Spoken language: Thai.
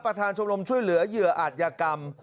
ชมรมช่วยเหลือเหยื่ออาจยากรรม